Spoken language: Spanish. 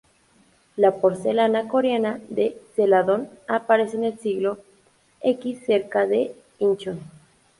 La porcelana coreana de celadón, aparece en el siglo X, cerca de Inchon.